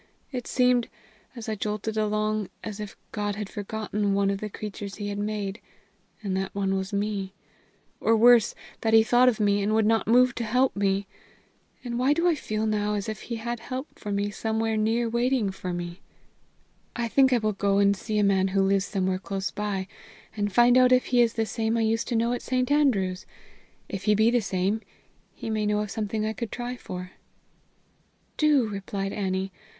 It seemed, as I jolted along, as if God had forgotten one of the creatures he had made, and that one was me; or, worse, that he thought of me, and would not move to help me! And why do I feel now as if He had help for me somewhere near waiting for me? I think I will go and see a man who lives somewhere close by, and find out if he is the same I used to know at St. Andrews; if he be the same, he may know of something I could try for." "Do," replied Annie.